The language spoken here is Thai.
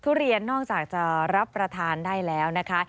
ทุเรียนนอกจากจะรับประทานได้แล้วนะคะ